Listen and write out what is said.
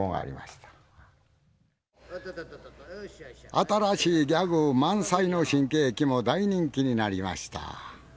新しいギャグ満載の新喜劇も大人気になりました